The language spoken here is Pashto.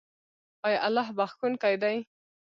آیا الله بخښونکی دی؟